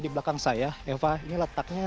di belakang saya eva ini letaknya